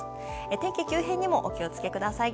天気急変にもお気をつけください。